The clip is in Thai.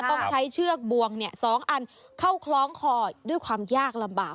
ต้องใช้เชือกบวง๒อันเข้าคล้องคอด้วยความยากลำบาก